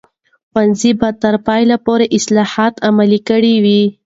ښوونځي به تر پایه پورې اصلاحات عملي کړي وي.